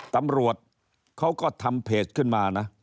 ตำรวจเขาก็ทำเพจขึ้นมานะ